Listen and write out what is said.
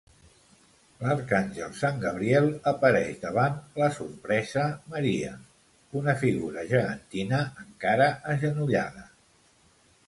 L'arcàngel sant Gabriel apareix davant la sorpresa Maria: una figura gegantina encara agenollada.